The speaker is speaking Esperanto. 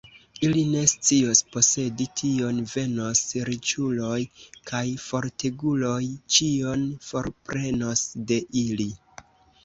Ili ne scios posedi tion; venos riĉuloj kaj forteguloj, ĉion forprenos de ili.